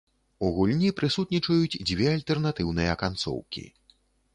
У гульні прысутнічаюць дзве альтэрнатыўныя канцоўкі.